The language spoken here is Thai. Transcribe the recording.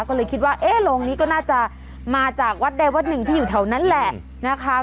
ก็เลยคิดว่าเอ๊ะโรงนี้ก็น่าจะมาจากวัดใดวัดหนึ่งที่อยู่แถวนั้นแหละนะคะ